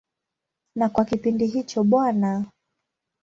Na kwa kipindi hicho Bw.